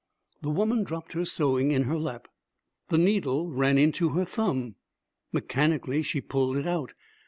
The woman dropped her sewing in her lap. The needle ran into her thumb. Mechanically, she pulled it out.